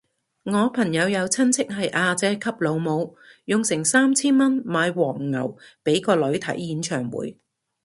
我朋友有親戚係阿姐級老母，用成三千蚊買黃牛俾個女睇演唱會